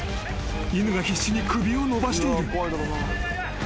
犬が必死に首を伸ばしている］